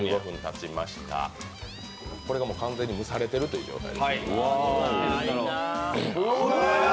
これが完全に蒸されているという状態。